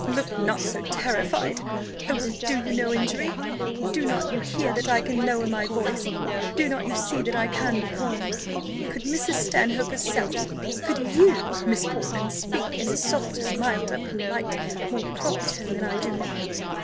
Look not so terrified; I will do you no injury. Do not you hear that I can lower my voice? do not you see that I can be calm? Could Mrs. Stanhope herself could you, Miss Portman, speak in a softer, milder, more polite, more proper tone than I do now?